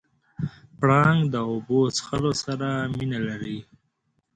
پړانګ د اوبو څښلو سره مینه لري.